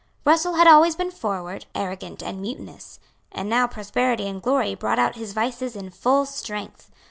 Russell had always been froward, arrogant and mutinous; and now prosperity and glory brought out his vices in full strength.